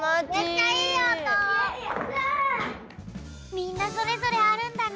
みんなそれぞれあるんだね。